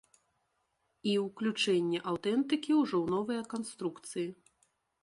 І ўключэнне аўтэнтыкі ўжо ў новыя канструкцыі.